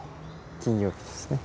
金曜日ですね。